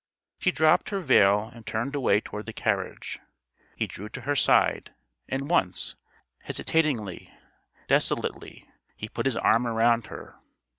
She dropped her veil and turned away toward the carriage. He drew to her side and once hesitatingly, desolately he put his arm around her.